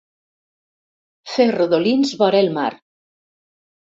Fer rodolins vora el mar.